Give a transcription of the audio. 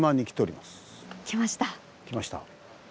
来ました。